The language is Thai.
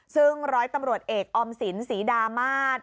ซึ่งร้อยตำรวจเอกออมสินศรีดามาศ